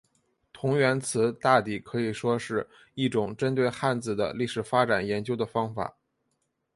同源词大抵可以说是一种针对汉字的历史发展研究的方法。